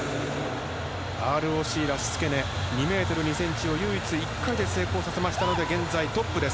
ＲＯＣ、ラシツケネ２ｍ２ｃｍを唯一、１回目で成功させたので現在、トップです。